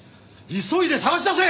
急いで捜し出せ！